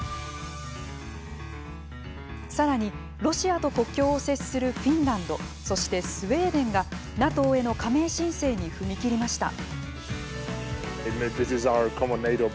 さらに、ロシアと国境を接するフィンランドそしてスウェーデンがＮＡＴＯへの加盟申請に踏み切りました。